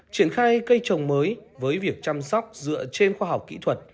triển khai cây trồng mới với việc chăm sóc dựa trên khoa học kỹ thuật